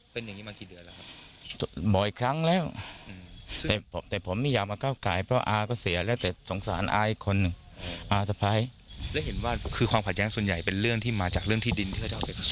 เป็นอย่างงี้มากี่เดือนแล้วครับ